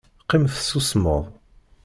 Qqim tessusmeḍ!